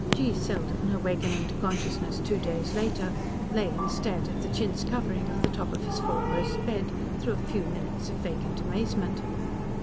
G. Selden, awakening to consciousness two days later, lay and stared at the chintz covering of the top of his four post bed through a few minutes of vacant amazement.